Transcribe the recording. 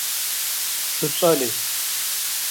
шуцӀали